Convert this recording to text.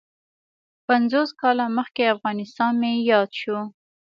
پنځوس کاله مخکې افغانستان مې یاد شو.